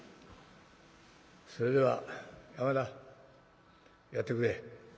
それでは山田やってくれ」。